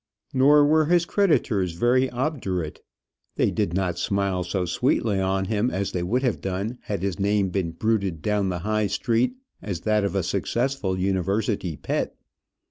Nor were his creditors very obdurate. They did not smile so sweetly on him as they would have done had his name been bruited down the High Street as that of a successful University pet.